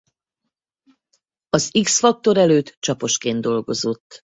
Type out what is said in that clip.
Az X Factor előtt csaposként dolgozott.